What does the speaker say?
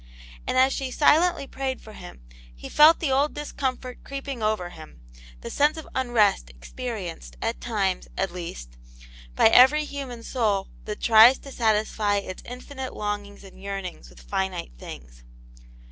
And as she silently prayed for him, he felt the old discomfort creeping over him, the sense of unrest experienced, at times, at least, by every human soul that tries to satisfy its infinite longings and yearnings with finite things.